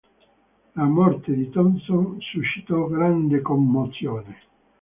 La morte di Thomson suscitò grande commozione.